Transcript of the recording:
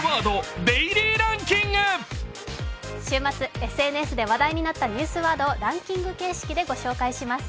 週末ＳＮＳで話題になったニュースワードをランキング形式でご紹介します。